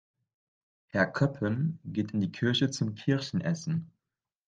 Herr Köppen geht in die Kirche zum Kirschen essen.